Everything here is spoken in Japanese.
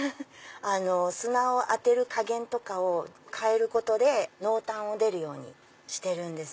砂を当てる加減とかを変えることで濃淡を出るようにしてるんです。